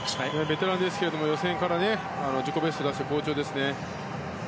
ベテランですけれども予選から自己ベストを出して好調ですね。